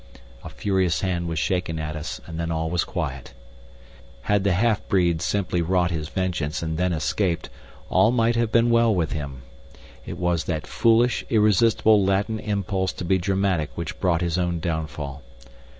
A furious hand was shaken at us, and then all was quiet. Had the half breed simply wrought his vengeance and then escaped, all might have been well with him. It was that foolish, irresistible Latin impulse to be dramatic which brought his own downfall.